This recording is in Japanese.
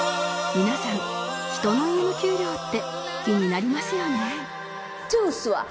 皆さん人の家の給料って気になりますよね？